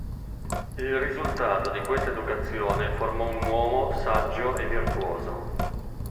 Il risultato di questa educazione formò un uomo saggio e virtuoso.